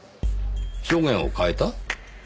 証言を変えた？